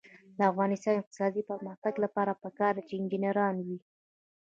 د افغانستان د اقتصادي پرمختګ لپاره پکار ده چې انجنیران وي.